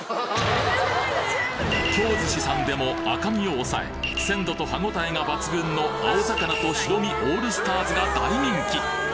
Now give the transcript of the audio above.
京寿司さんでも赤身を抑え鮮度と歯ごたえが抜群の青魚と白身オールスターズが大人気！